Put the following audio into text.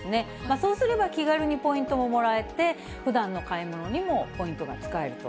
そうすれば、気軽にポイントももらえて、ふだんの買い物にもポイントが使えると。